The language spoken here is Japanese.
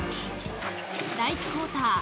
第１クオーター。